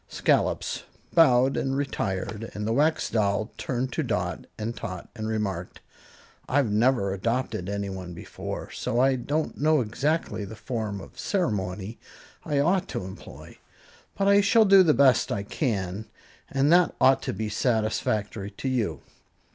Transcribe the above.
Scollops bowed and retired, and the Wax Doll turned to Dot and Tot and remarked, "I've never adopted anyone before so I don't know exactly the form of ceremony I ought to employ; but I shall do the best I can, and that ought to be satisfactory to you."